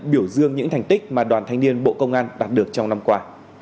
biểu dương những thành tích mà đoàn thanh niên bộ công an đạt được trong năm qua